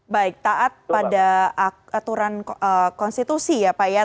baik taat pada aturan konstitusi ya pak ya